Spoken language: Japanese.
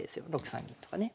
６三銀とかね。